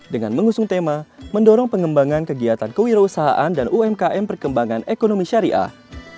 dengan mengusung tema mendorong pengembangan kegiatan kewirausahaan dan umkm perkembangan ekonomi syariah